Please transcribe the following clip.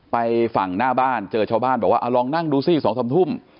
ไปฝั่งหน้าบ้านเจอชาวบ้านบอกว่าลองนั่งดูสิ๒๓ทุ่ม